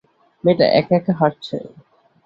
মেয়েটা একা একা হাঁটছে।